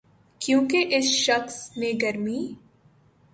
کیونکہ اس شخص نے گرمی